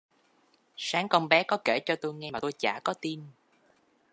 sáng con bé có kể cho tôi nghe mà tôi chả có tin